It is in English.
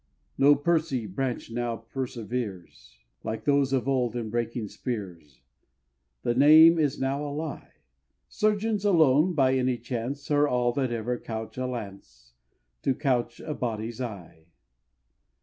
No Percy branch now perseveres, Like those of old, in breaking spears The name is now a lie! Surgeons, alone, by any chance, Are all that ever couch a lance To couch a body's eye!